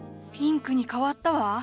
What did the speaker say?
ピンクに変わったわ！